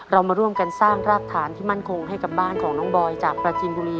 เรามาร่วมกันสร้างรากฐานที่มั่นคงให้กับบ้านของน้องบอยจากประจินบุรี